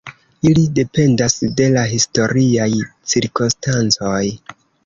Ili dependas de la historiaj cirkonstancoj.